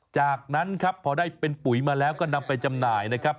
จากนั้นครับพอได้เป็นปุ๋ยมาแล้วก็นำไปจำหน่ายนะครับ